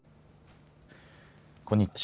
こんにちは。